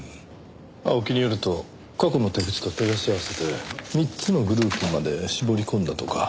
青木によると過去の手口と照らし合わせて３つのグループまで絞り込んだとか。